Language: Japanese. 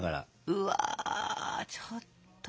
うわちょっと。